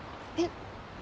えっ。